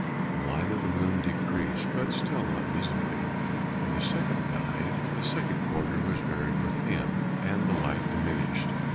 The light of the moon decreased, but still not visibly. When the second died, the second quarter was buried with him, and the light diminished.